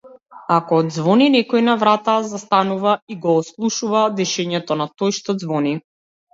Ако ѕвони некој на врата застанува и го ослушнува дишењето на тој што ѕвони.